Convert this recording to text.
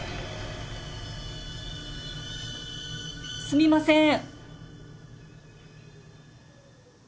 すみません。